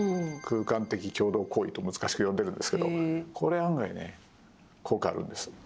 空間的共同行為と難しく呼んでるんですけど、これ案外ね、効果あるんです。